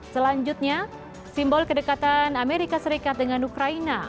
selanjutnya simbol kedekatan amerika serikat dengan ukraina